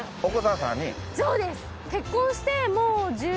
そうです。